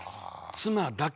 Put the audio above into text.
妻だけ！